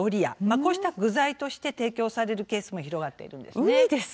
こうした具材として提供されるケースも広がっているんです。